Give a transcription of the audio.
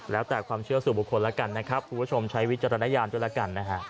แล้วแต่ความเชื่อสู่บุคคลแล้วกันนะครับคุณผู้ชมใช้วิจารณญาณด้วยแล้วกันนะฮะ